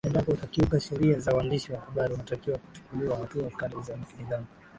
endapo utakiuka sheria za uandishi wa habari unatakiwa kuchukuliwa hatua kali za kinidhamu